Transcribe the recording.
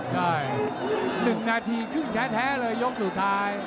ใช่หนึ่งนาทีครึ่งแท้แท้เลยยกสุดท้าย